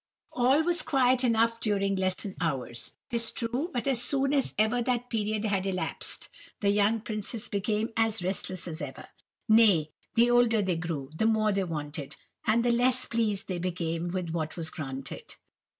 All was quiet enough during lesson hours, it is true; but as soon as ever that period had elapsed, the young princes became as restless as ever. Nay—the older they grew, the more they wanted, and the less pleased they became with what was granted.